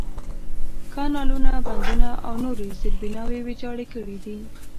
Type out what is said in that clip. کانالونه، بندونه، او نورې زېربناوې ویجاړې کړي دي.